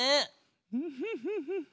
フフフフフ。